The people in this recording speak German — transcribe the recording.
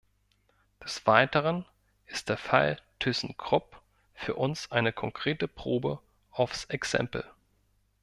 Des Weiteren ist der Fall Thyssen-Krupp für uns eine konkrete Probe aufs Exempel.